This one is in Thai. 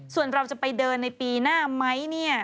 ส่วนเราจะไปเดินในปีหน้าไหมเนี่ย